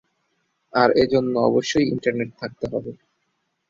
আর এজন্য অবশ্যই ইন্টারনেট থাকতে হবে।